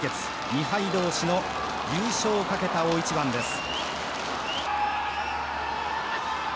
２敗同士の優勝を懸けた大一番です。